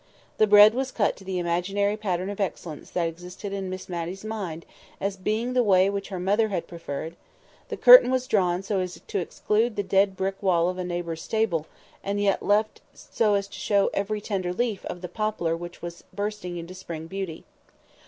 The bread was cut to the imaginary pattern of excellence that existed in Miss Matty's mind, as being the way which her mother had preferred, the curtain was drawn so as to exclude the dead brick wall of a neighbour's stable, and yet left so as to show every tender leaf of the poplar which was bursting into spring beauty.